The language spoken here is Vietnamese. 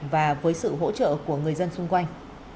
và với sự hỗ trợ của người dân xung quanh